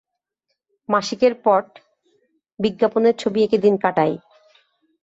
মাসিকের পট বিজ্ঞাপনের ছবি এঁকে দিন কাটায়।